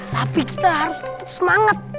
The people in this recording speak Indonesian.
tapi kita harus tetap semangat